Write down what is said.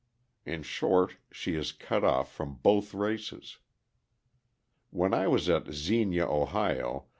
In short, she is cut off from both races. When I was at Xenia, O.